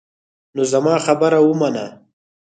نو زما خبره ومنه.